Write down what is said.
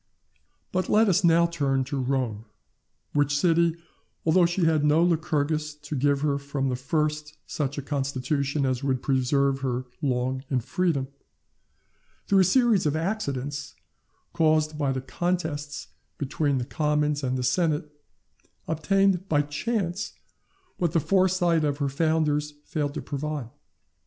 But let us now turn to Rome, which city, although she had no Lycurgus to give her from the first such a constitution as would preserve her long in freedom, through a series of accidents, caused by the contests between the commons and the senate, obtained by chance what the foresight of her founders failed to provide.